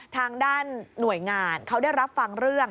ทางด้านหน่วยงานเขาได้รับฟังเรื่อง